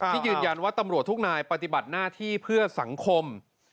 ที่ยืนยันว่าตำรวจทุกนายปฏิบัติหน้าที่เพื่อสังคม